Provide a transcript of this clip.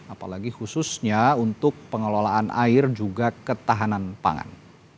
apalagi khususnya untuk pengelolaan air juga ketahanan pangan